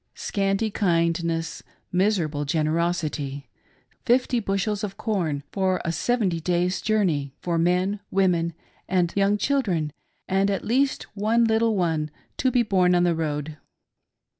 Scanty kindness — miserable generosity !— fifty bushels of corn for a seventy days' journey, for men. 328 THE MILITIA ASSEMBLED. women, and young children, and at least one little one to be born on the road.